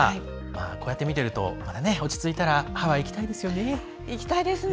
こうやって見ていると落ち着いたら、ハワイ行きたいですよね。